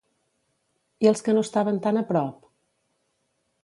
I els que no estaven tan a prop?